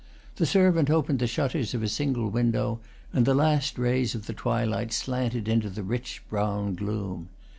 The servant opened the shutters of a single window, and the last rays of the twilight slanted into the rich brown gloom.